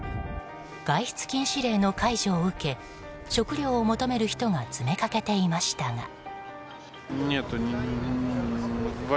外出禁止令の解除を受け食料を求める人が詰めかけていましたが。